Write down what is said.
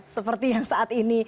seperti yang saat ini